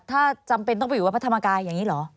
ถ้าจำเป็นต้องไปอยู่วัดพระธรรมกายอย่างนี้เหรอ